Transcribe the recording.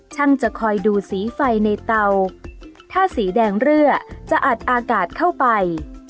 จะคอยดูสีไฟในเตาถ้าสีแดงเรือจะอัดอากาศเข้าไป